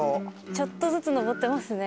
ちょっとずつ上ってますね。